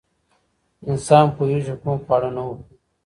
انسان پوهېږي کوم خواړه نه وخوري.